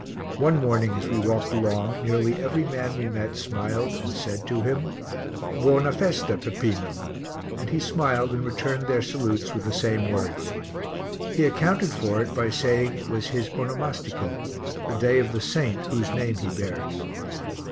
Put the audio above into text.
One morning as we walked along nearly every man we met smiled and said to him "Buona festa, Peppino," and he smiled and returned their salutes with the same words. He accounted for it by saying it was his onomastico the day of the saint whose name he bears.